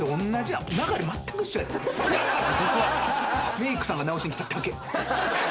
メイクさんが直しに来ただけ。